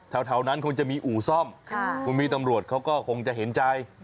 แถวนั้นคงจะมีอู่ซ่อมคุณพี่ตำรวจเขาก็คงจะเห็นใจ